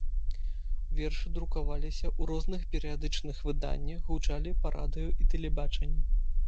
Вершы друкаваліся ў розных перыядычных выданнях, гучалі па радыё і тэлебачанні.